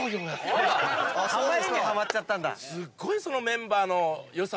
ハマりにハマっちゃったんだ。